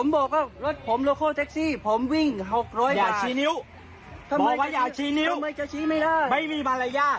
บอกว่าอย่าชี้นิ้วไม่มีมารยาท